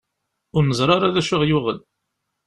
Ur neẓri ara d acu i aɣ-yuɣen.